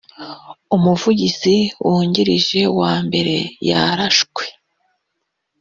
umuvugizi wungirije wa mbere yarashwe